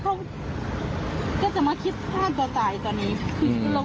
ก็จะมาคิดพร่อมตัวตายตอนนี้